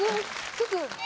ちょっと。